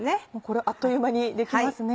あっという間にできますね。